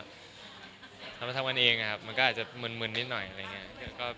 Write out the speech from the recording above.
เรามาทำกันเองนะครับมันก็อาจจะมึนนิดหน่อยอะไรอย่างนี้